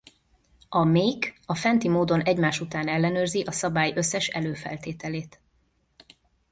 A make a fenti módon egymás után ellenőrzi a szabály összes előfeltételét.